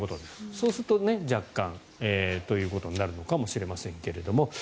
そうすると若干ということになるのかもしれませんが。